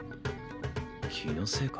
気のせいか？